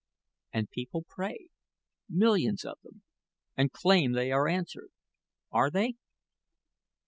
"And people pray millions of them and claim they are answered. Are they?